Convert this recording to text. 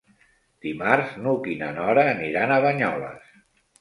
Dimarts n'Hug i na Nora aniran a Banyoles.